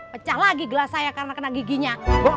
pecah lagi gelas saya karena kena giginya